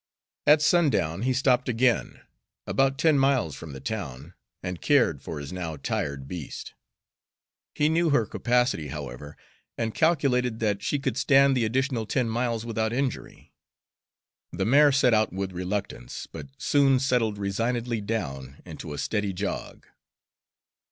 At sundown he stopped again, about ten miles from the town, and cared for his now tired beast. He knew her capacity, however, and calculated that she could stand the additional ten miles without injury. The mare set out with reluctance, but soon settled resignedly down into a steady jog.